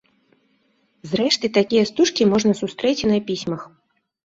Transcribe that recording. Зрэшты, такія стужкі можна сустрэць і на пісьмах.